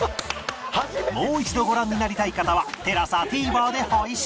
もう一度ご覧になりたい方は ＴＥＬＡＳＡＴＶｅｒ で配信！